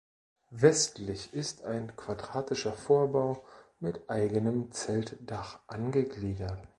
Westlich ist ein quadratischer Vorbau mit eigenem Zeltdach angegliedert.